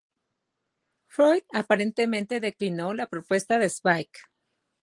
Freud aparentemente declinó la propuesta de Zweig.